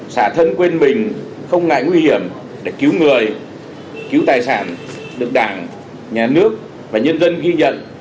xả thân quên mình không ngại nguy hiểm để cứu người cứu tài sản được đảng nhà nước và nhân dân ghi nhận